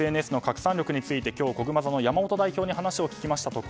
ＳＮＳの拡散力についてこぐま座の山本代表に話を聞きました